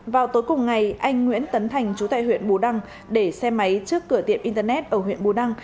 vào tối cùng ngày anh nguyễn tấn thành chú tại huyện bù đăng để xe máy trước cửa tiệm internet ở huyện bù đăng